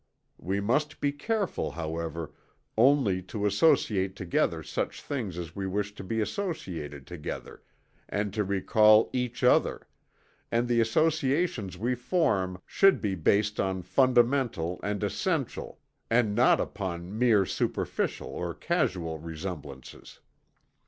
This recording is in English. We must be careful, however, only to associate together such things as we wish to be associated together and to recall each other; and the associations we form should be based on fundamental and essential, and not upon mere superficial or casual resemblances.